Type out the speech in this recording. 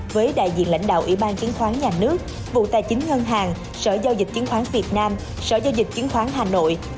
với đại diện lãnh đạo ủy ban chứng khoán nhà nước vụ tài chính ngân hàng sở giao dịch chứng khoán việt nam sở giao dịch chứng khoán hà nội